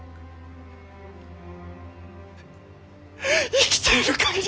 生きている限り。